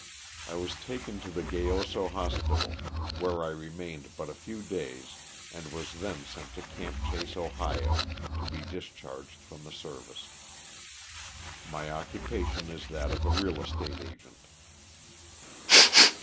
I was taken to the Gayoso Hospital, where I remained but a few days and was then sent to " Camp Chase," Ohio, to be discharged from the service. My occupation is that of a real estate agent.